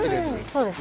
そうです